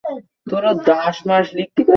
না, নির্জারা।